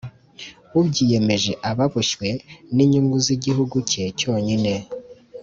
ubyiyemeje aba aboshywe ninyungu iz' i gihugu cye cyonyine.